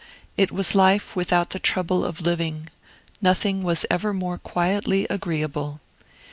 It was life without the trouble of living; nothing was ever more quietly agreeable.